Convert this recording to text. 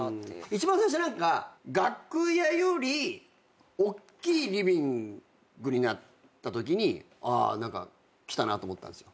一番最初何か楽屋よりおっきいリビングになったときにああきたなって思ったんですよ。